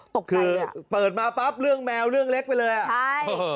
เปิดมาปั๊บเรื่องแมวเรื่องเล็กไปเลยอ่ะใช่